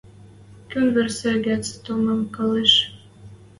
Кӱн вырсы гӹц толмым колеш —